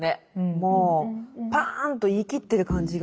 もうパーンと言い切ってる感じが。